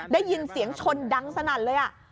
ได้ยินเสียงชนดังสนั่นเลย